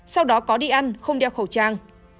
sau đó có đi ăn không đeo khẩu trang